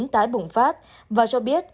tái bùng phát và cho biết